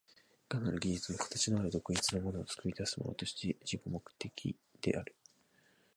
いかなる技術も形のある独立なものを作り出すものとして自己目的的である。